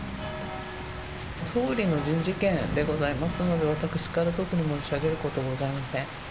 総理の人事権でございますので、私から特に申し上げることございません。